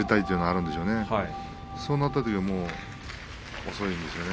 ただそうなったときにはもう遅いんですよね。